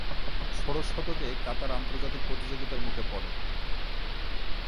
ষোড়শ শতকে কাতার আন্তর্জাতিক প্রতিযোগীতার মুখে পরে।